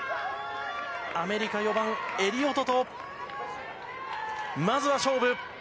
アメリカ４番エリオトと、まずは勝負。